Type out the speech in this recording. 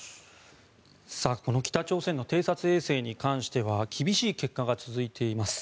この北朝鮮の偵察衛星に関しては厳しい結果が続いています。